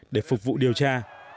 để phục vụ điều tra